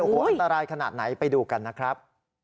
โอ้โหอันตรายขนาดไหนไปดูกันนะครับ